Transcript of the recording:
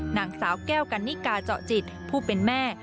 นางสาวแก้วกันนิกาเจาะจิตผู้เป็นแม่